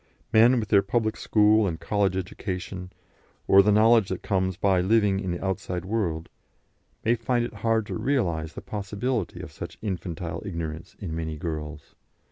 Men, with their public school and college education, or the knowledge that comes by living in the outside world, may find it hard to realise the possibility of such infantile ignorance in many girls.